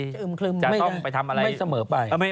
จะอึ้มคลึมไม่เสมอไป